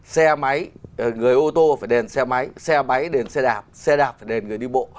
xe máy người ô tô phải đèn xe máy xe máy đèn xe đạp xe đạp phải đèn người đi bộ